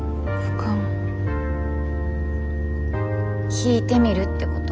引いてみるってこと。